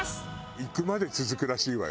行くまで続くらしいわよ。